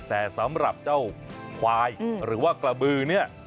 แต่สำหรับเจ้าควายหรือว่ากระบือเนี่ย